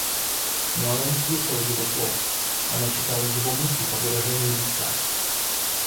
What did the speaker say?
Но она не слушала его слов, она читала его мысли по выражению лица.